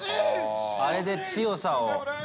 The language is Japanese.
あれで強さを。